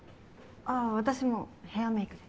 ああ私もヘアメイクで。